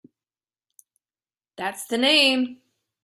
That's the name.